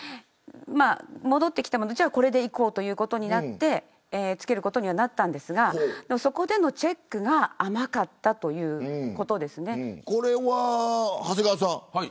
戻ってきた、これでいこうということになって付けることになったんですがそこでのチェックがこれは長谷川さん。